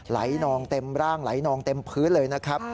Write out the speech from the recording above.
นองเต็มร่างไหลนองเต็มพื้นเลยนะครับ